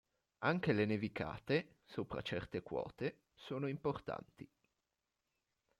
Anche le nevicate, sopra certe quote, sono importanti.